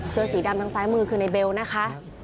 เสื้อสีดำทางซ้ายมือคือในเบลนะคะ